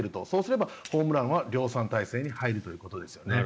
そうすればホームランは量産体制に入るということです。